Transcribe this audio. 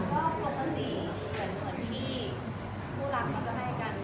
ก็ควรตัวดีเหมือนผู้รักมาจะให้กัน